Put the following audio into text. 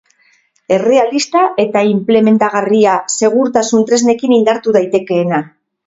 Errealista eta inplementagarria, segurtasun tresnekin indartu daitekeena.